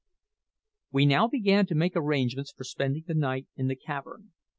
We now began to make arrangements for spending the night in the cavern.